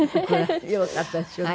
よかったですよね。